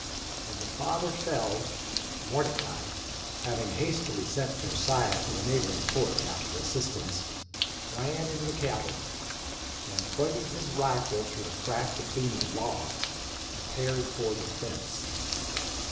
When the father fell, Mordecai, having hastily sent Josiah to the neighboring fort after assistance, ran into the cabin, and pointing his rifle through a crack between the logs, prepared for defense.